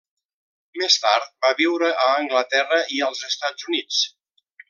Més tard va viure a Anglaterra i als Estats Units.